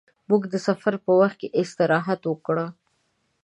موږ د سفر په وخت کې استراحت وکړ.